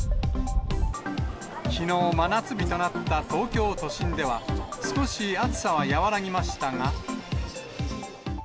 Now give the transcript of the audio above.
きのう、真夏日となった東京都心では、少し暑さは和らぎましたが。